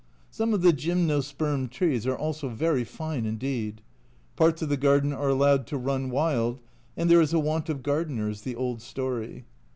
Some of the Gymnosperm trees are also very fine indeed. Parts of the garden are allowed to run wild, and there is a want of gardeners the old story.